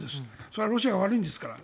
それはロシアが悪いんですから。